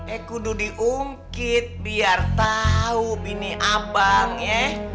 eh kudu diungkit biar tau bini abangnya